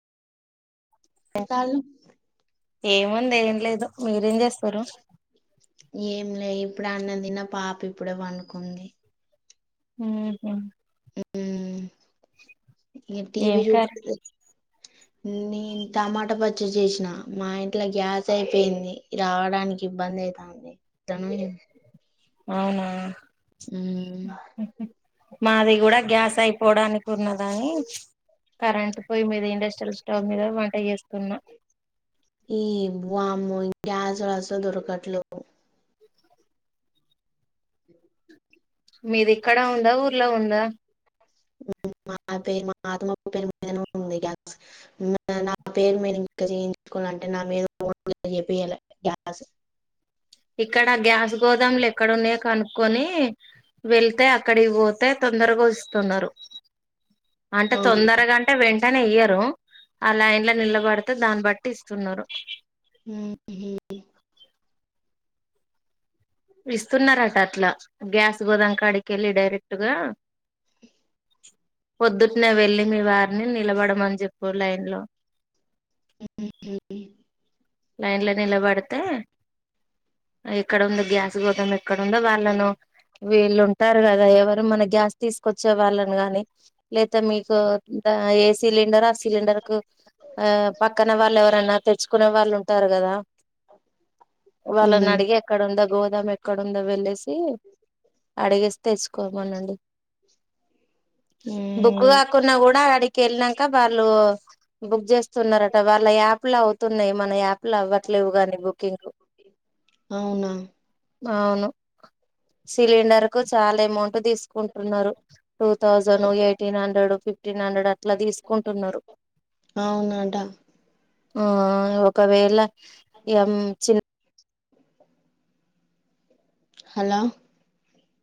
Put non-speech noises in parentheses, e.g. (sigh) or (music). ఇ కాలుమ్ ఇంగ ఏం లేదు మీరేం చేస్తురు. ఏం లే ఇప్పుడే అన్నం తిన్న పాప ఇప్పుడే వనుకుంది. ఉ హ్ హు ఇగమే ఏం టీవి కర్రీ చూస్తూ నేను టమాటా పచ్చడి జేసిన మా ఇంట్లో గ్యాస్ అయిపోయింది. రావడానికి ఇబ్బంది అయితాంది తనును అవునా హ్మ్ మాది కూడా గ్యాస్ అయిపోవడానికి ఉన్నదని, కరెంట్ పొయ్యి మీద ఇండస్ట్రియల్ స్టవ్ మీద వంట చేసుకున్నా ఈ వామ్మో ఈ గ్యాస్ లోడు అసలు దొరకట్లేవ్ మీది ఇక్కడ ఉందా ఊర్లో ఉందా మా పేరు మా అత్తమ్మ పేరు మీద ఉంది. గ్యాస్ నా పేరు మీద ఇంకా చేయించుకోవాలంటే, నా మీద (unintelligible) చెయాల గ్యా గ్యాస్ ఇక్కడ గ్యాస్ గోదాములు ఎక్కడ ఉన్నాయో, కనుక్కొని వెళ్తే అక్కడికి పోతే తొందరగా వస్తున్నారు. అంటే అవును తొందరగా అంటే వెం అంటనే ఇయ్యరు ఆ లైన్ లో నిలబడితే దాన్ని బట్టి ఇస్తున్నారు. ఊ హూ ఇస్తున్నారట అట్లా గ్యాస్ గోదాం కాడికి ఎళ్ళి డైరెక్టుగా పొద్దుటినే వెళ్ళి మీ వారిని నిలబడమని చెప్పు లైన్ లో (inaudible) లైన్ లో నిలబడితే ఎక్కడందో గ్యాస్ గోదం ఎక్కడందో వాళ్ళను వీళ్ళు ఉంటారు కదా ఎవరు మన గ్యాస్ తీసుకొచ్చే వాళ్ళను గాని లేతే మీకు ఆ ఏ సిలిండర్ ఆ సిలిండర్ కు ఆ పక్కన వాళ్ళు ఎవరన్నా తెచ్చుకునే వాళ్ళు స్థారు కదా వాళ్ళని ఉమ్ అడిగి ఎక్కడ ఉందో గోదామ ఎక్కడుందో వెళ్లేసి అడిగేస్త తెసుకోమనండి బుక్కు ఉమ్ కాకున్నా కూడా అడి కెల్నాక వాళ్ళు బుక్ చేస్తున్నారట వాళ్ళ యాప్లు అవుతున్నాయి మన యాప్ అవ్వట్లేవుగా నీ బుకింగ్ అవునా అవును సిలిండర్ కు చాలా అమౌంట్ తీసుకు కుంటున్నారు టూ థౌజండ్ ఎయిటీన్ హండ్రెడ్ ఫిఫ్ ఫిఫ్టీన్ హండ్రెడ్ అట్లా తీసుకుంటున్నారు అవునట ఆ ఒక ఒకవేళ ఏం చిన్న హలో